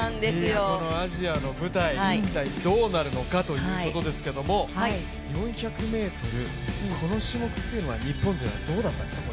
アジアの舞台、一体どうなるのかということですけども、４００ｍ、この種目というのは日本勢というのはこれまでどうだったんですか。